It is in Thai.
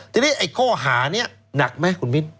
ทีนี้ไอ้ข้อหานี้หนักไหมคุณมิ้น